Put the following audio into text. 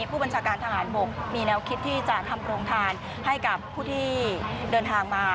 ผู้บัญชาการทหารบกมีแนวคิดที่จะทำโรงทานให้กับผู้ที่เดินทางมา